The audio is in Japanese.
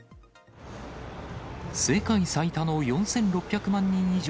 世界最多の４６００万人以上